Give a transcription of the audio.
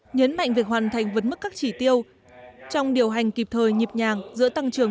nhấn mạnh việc hoàn thành vấn mức các chỉ tiêu trong điều hành kịp thời nhịp nhàng giữa tăng trưởng